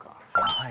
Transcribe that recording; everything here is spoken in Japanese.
はい。